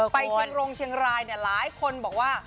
ไปเชียงรมเชียงรายหลายคนบอกว่า